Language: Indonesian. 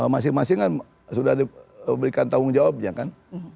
masing masing kan sudah diberikan tanggung jawabnya kan